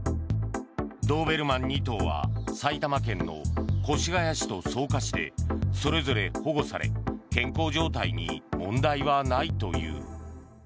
ドーベルマン２頭は埼玉県の越谷市と草加市でそれぞれ保護され健康状態に問題はないという。